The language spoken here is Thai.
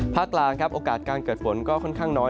กลางครับโอกาสการเกิดฝนก็ค่อนข้างน้อย